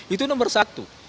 itu nomor satu